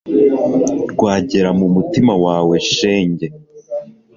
rwagera m'umutima wawe shenge